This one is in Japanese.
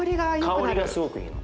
香りがすごくいいの。